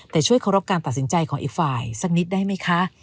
แต่ช่วยเคารพการตัดสินใจของอีกฝ่ายสักนิดได้ไหมคะ